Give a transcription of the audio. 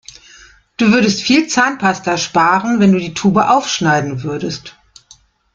Du würdest viel Zahnpasta sparen, wenn du die Tube aufschneiden würdest.